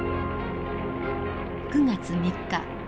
９月３日。